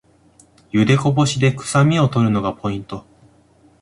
ゆでこぼしでくさみを取るのがポイント